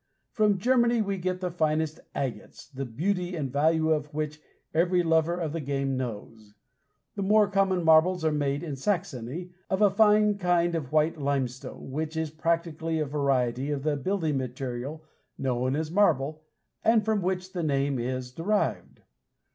From Germany we get the finest "agates," the beauty and value of which every lover of the game knows. The more common marbles are made in Saxony, of a fine kind of white limestone, which is practically a variety of the building material known as "marble," and from which the name is derived.